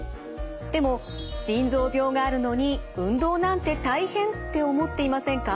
でも腎臓病があるのに運動なんて大変って思っていませんか？